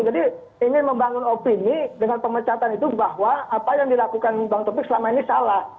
jadi ingin membangun opini dengan pemecatan itu bahwa apa yang dilakukan bang taufik selama ini salah